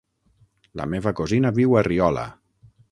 La meva cosina viu a Riola.